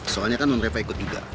soalnya kan non refa ikut juga